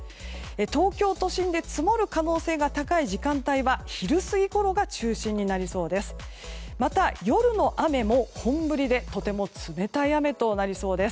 東京都心で積もる可能性が高い時間帯は昼過ぎごろが中心になりそうです。